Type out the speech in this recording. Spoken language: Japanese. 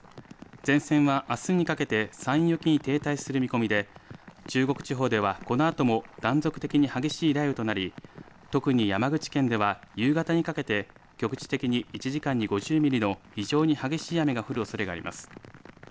前線はあすにかけて山陰沖に停滞する見込みで中国地方ではこのあとも断続的に激しい雷雨となり、特に山口県では夕方にかけて局地的に１時間に５０ミリの非常に激しい雨が降るおそれがあります。